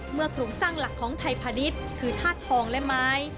โครงสร้างหลักของไทยพาณิชย์คือธาตุทองและไม้